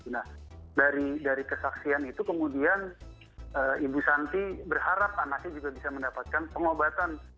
nah dari kesaksian itu kemudian ibu santi berharap anaknya juga bisa mendapatkan pengobatan